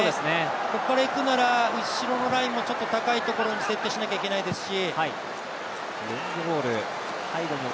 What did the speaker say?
ここからいくなら後ろのラインも高いところに設定しないといけないですし。